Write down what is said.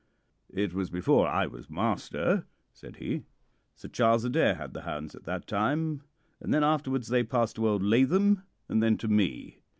"It was before I was master," said he. "Sir Charles Adair had the hounds at that time, and then afterwards they passed to old Lathom, and then to me.